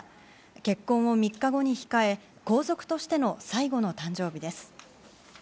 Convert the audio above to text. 結婚を３日後に控え、皇族としての最後の誕生日です。